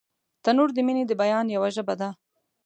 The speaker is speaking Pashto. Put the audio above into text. تنور د مینې د بیان یوه ژبه ده